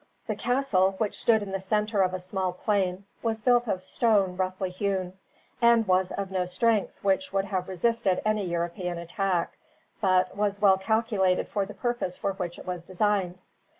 The castle, which stood in the center of a small plain, was built of stone roughly hewn; and was of no strength which would have resisted any European attack, but was well calculated for the purpose for which it was designed.